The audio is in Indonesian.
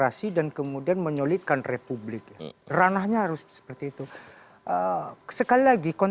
tentu juga keadaannya dan kebetulan era coisa per relaxed